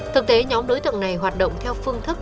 thực tế nhóm đối tượng này hoạt động theo phương thức